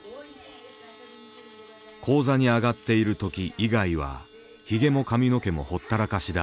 高座に上がっている時以外はひげも髪の毛もほったらかしだ。